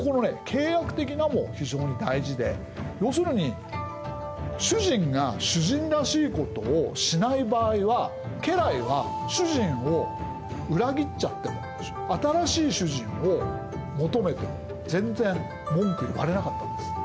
「契約的な」も非常に大事で要するに主人が主人らしいことをしない場合は家来は主人を裏切っちゃっても新しい主人を求めても全然文句言われなかったんです。